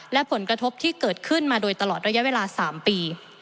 และผลกระทบที่เกิดขึ้นมาโดยตลอดระยะเวลา๓ปี